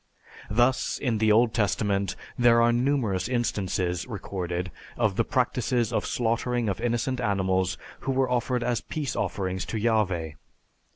Thus, in the Old Testament, there are numerous instances recorded of the practices of slaughtering of innocent animals who were offered as peace offerings to Yahveh.